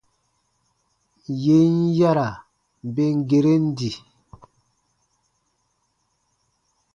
Yè n yara ben geren di.